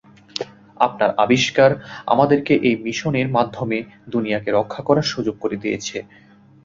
আপনার আবিষ্কার আমাদেরকে এই মিশনের মাধ্যমে দুনিয়াকে রক্ষার সুযোগ করে দিয়েছে।